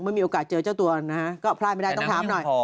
มีโอกาสเจอเจ้าตัวนะฮะก็พลาดไม่ได้ต้องถามหน่อย